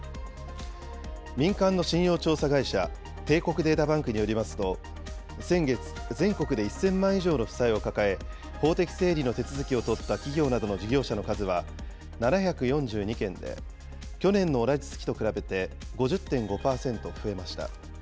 民間の信用調査会社、帝国データバンクによりますと、先月、全国で１０００万以上の負債を抱え、法的整理の手続きをとった企業などの事業者の数は７４２件で、去年の同じ月と比べて５０．５％増えました。